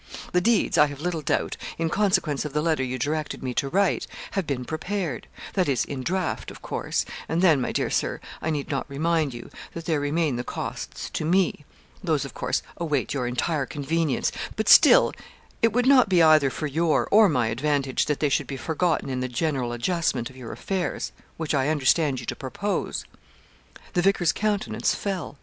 The deeds, I have little doubt, in consequence of the letter you directed me to write, have been prepared that is, in draft, of course and then, my dear Sir, I need not remind you, that there remain the costs to me those, of course, await your entire convenience but still it would not be either for your or my advantage that they should be forgotten in the general adjustment of your affairs, which I understand you to propose.' The vicar's countenance fell.